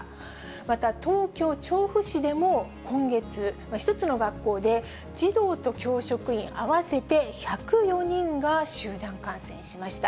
また東京・調布市でも、今月、１つの学校で児童と教職員合わせて１０４人が集団感染しました。